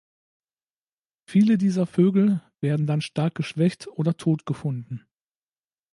Viele dieser Vögel werden dann stark geschwächt oder tot gefunden.